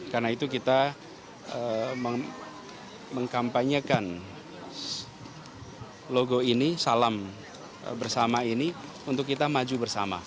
karena itu kita mengkampanyekan logo ini salam bersama ini untuk kita maju bersama